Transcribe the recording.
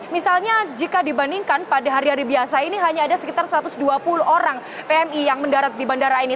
misalnya jika dibandingkan pada hari hari biasa ini hanya ada sekitar satu ratus dua puluh orang pmi yang mendarat di bandara ini